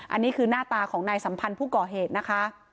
อันนี้คือหน้าตาของนายสัมพันธ์ผู้ก่อเหตุนะคะ